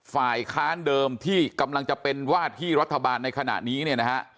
ฝ่ายค้านเดิมที่กำลังจะเป็นว่าที่รัฐบาลในขณะนี้เนี่ยนะฮะ